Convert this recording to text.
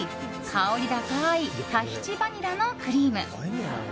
香り高いタヒチバニラのクリーム。